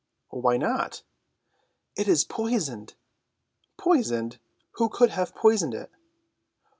"Why not?" "It is poisoned." "Poisoned? Who could have poisoned it?"